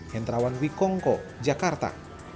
henterawan wikongko jakarta